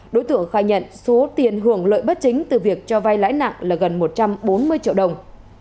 đối tượng khai nhận số tiền hưởng lợi bất chính từ việc cho vai lãi nặng là gần một trăm bốn mươi triệu đồng